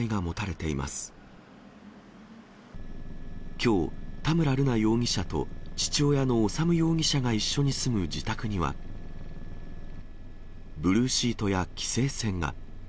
きょう、田村瑠奈容疑者と父親の修容疑者が一緒に住む自宅には、ブルーシートや規制線が。